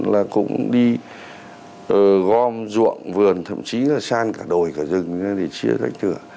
là cũng đi gom ruộng vườn thậm chí là san cả đồi cả rừng để chia tách thửa